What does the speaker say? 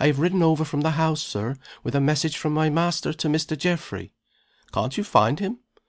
I have ridden over from the house, Sir, with a message from my master to Mr. Geoffrey." "Can't you find him?"